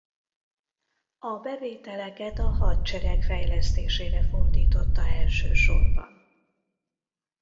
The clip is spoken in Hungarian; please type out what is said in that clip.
A bevételeket a hadsereg fejlesztésére fordította elsősorban.